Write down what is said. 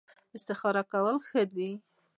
استخاره کول ښه دي